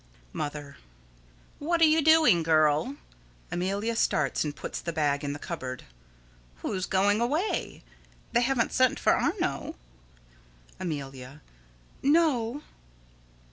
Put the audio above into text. _ Mother: What are you doing, girl? [Amelia starts and puts the bag in the cupboard.] Who's going away? They haven't sent for Arno? Amelia: No.